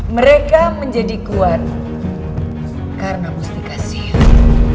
mereka menjadi kuat karena mustika sion